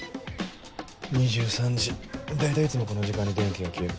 ２３時大体いつもこの時間に電気が消える。